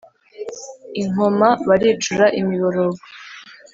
i nkoma baricura imiborogo.